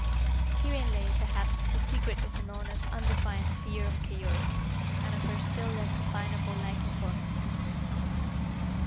Herein lay, perhaps, the secret of Unorna's undefined fear of Keyork and of her still less definable liking for him.